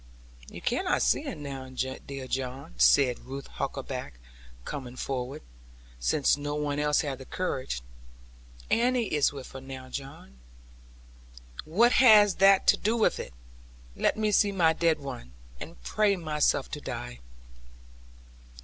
'You cannot see her now, dear John,' said Ruth Huckaback, coming forward; since no one else had the courage. 'Annie is with her now, John.' 'What has that to do with it? Let me see my dead one; and pray myself to die.'